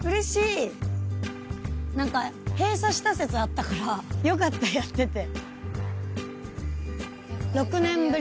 何か閉鎖した説あったからよかったやってて。